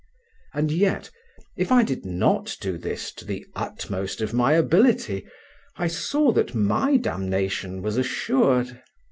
And yet, if I did not do this to the utmost of my ability, I saw that my damnation was assured.